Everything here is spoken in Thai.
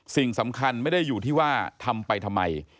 สิ่งสำคัญไม่ได้อยู่ที่ว่าทำไปทำไม